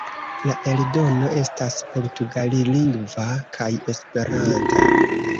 La eldono estas portugallingva kaj esperanta.